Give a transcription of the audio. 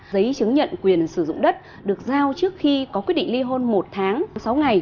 giấy chứng nhận quyền sử dụng đất được giao trước khi có quyết định ly hôn một tháng sáu ngày